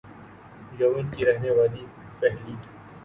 یمن کی رہنے والی پہلی